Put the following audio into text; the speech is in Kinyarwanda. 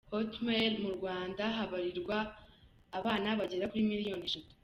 html}, mu Rwanda habarirwa abana bagera kuri miliyoni eshantu.